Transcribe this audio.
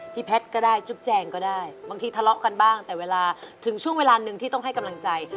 แพทย์ก็ได้จุ๊บแจงก็ได้บางทีทะเลาะกันบ้างแต่เวลาถึงช่วงเวลาหนึ่งที่ต้องให้กำลังใจ